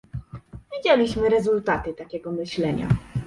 Widzieliśmy rezultaty takiego myślenia